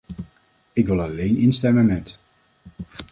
Ik wil alleen instemmen met...